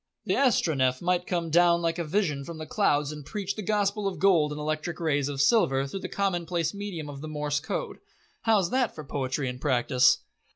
"The Astronef might come down like a vision from the clouds and preach the Gospel of Gold in electric rays of silver through the commonplace medium of the Morse Code. How's that for poetry and practice?"